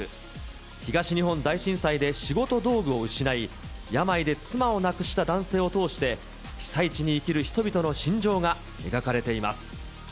東日本大震災で仕事道具を失い、病で妻を亡くした男性を通して、被災地に生きる人々の心情が描かれています。